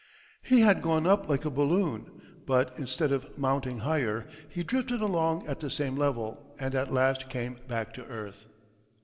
He had gone up like a balloon; but, instead of mounting higher, he drifted along at the same level, and at last came back to earth.